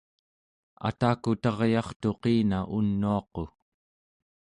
atakutaryartuqina unuaqu